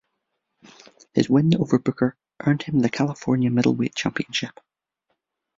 His win over Booker earned him the California Middleweight Championship.